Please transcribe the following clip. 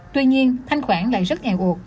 tuy nhiên thanh khoản lại rất nghèo ụt